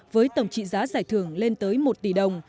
với tổng trị giá giải thưởng lên tới một tỷ đồng